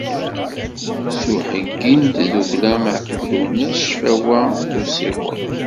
S uheyyi n tdukkla Meɛtub Lwennas Ccfawa d Usiweḍ.